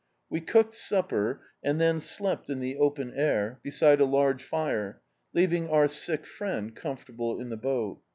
We cooked supper, and then slept in the open air, beside a large fire, leaving our sick friend comfortable in die boat.